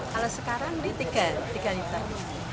kalau sekarang ini tiga liter